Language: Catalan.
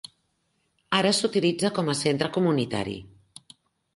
Ara s'utilitza com a centre comunitari.